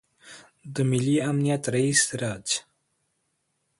د ملي امنیت رئیس سراج